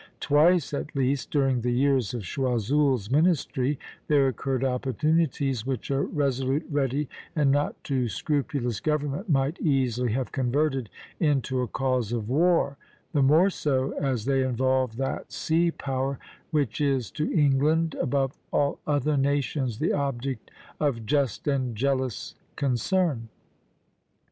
Twice at least during the years of Choiseul's ministry there occurred opportunities which a resolute, ready, and not too scrupulous government might easily have converted into a cause of war; the more so as they involved that sea power which is to England above all other nations the object of just and jealous concern.